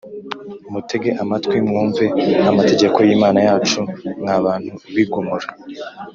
, mutege amatwi mwumve amategeko y’Imana yacu, mwa bantu b’i Gomora